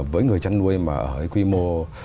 với người chân nuôi mà ở cái quy mô